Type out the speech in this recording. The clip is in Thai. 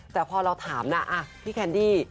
แต่พอเราถามนะพี่แคนดี้